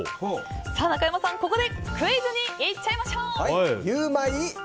中山さん、ここでクイズにいっちゃいましょう！